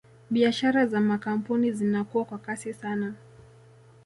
Biashara za makampuni zinakua kwa kasi sana